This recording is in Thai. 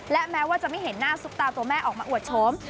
และแม้ว่าจะไม่เห็นหน้าซุปตาตัวแม่ออกมาอวดโฉม